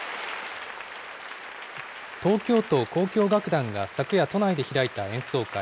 東京都交響楽団が昨夜都内で開いた演奏会。